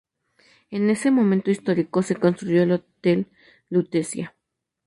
En ese momento histórico se construyó el Hotel Lutecia.